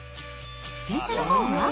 電車のほうは？